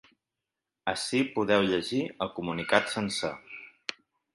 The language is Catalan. Ací podeu llegir el comunicat sencer.